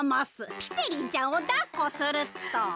ピペリンちゃんをだっこすると。